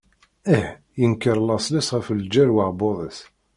Ih, yenker laṣel-is ɣef lǧal uɛebbuḍ-is.